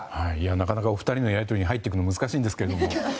なかなかお二人のやり取りに入っていくのが難しいんですけど。